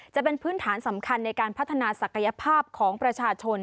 จะเป็นพื้นฐานสำคัญในการพัฒนาศักยภาพของประชาชน